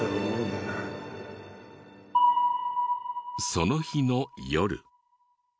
その日の夜。